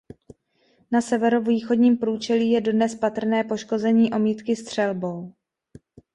Na severovýchodním průčelí je dodnes patrné poškození omítky střelbou.